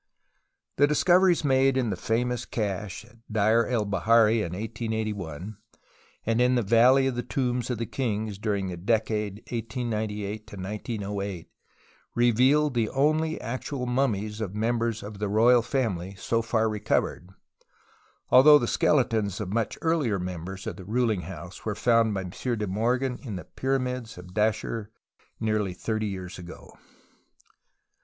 The discoveries made in the famous cache at Deir el Bahari in 1881, and in the Valley of the Tombs of the Kings during the decade 1898 1908, revealed the only actual mummies of members of the royal family so far recovered, although the skeletons of much earlier members of the ruling house were found by M. de Morgan in the pyramids of Dashur nearly thirty years ago.